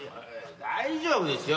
大丈夫ですよ。